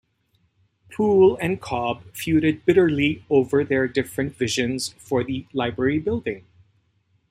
Poole and Cobb feuded bitterly over their different visions for the library building.